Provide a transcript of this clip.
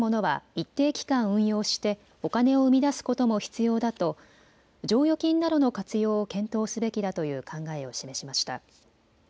一定期間、運用してお金を生み出すことも必要だと剰余金などの活用を検討すべきだという考えを示しました。